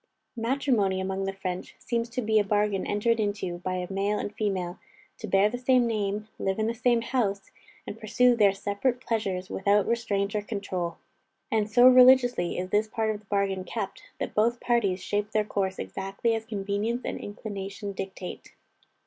Matrimony among the French, seems to be a bargain entered into by a male and female, to bear the same name, live in the same house, and pursue their separate pleasures without restraint or control. And, so religiously is this part of the bargain kept, that both parties shape their course exactly as convenience and inclination dictate.